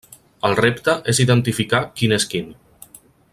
El repte és identificar quin és quin.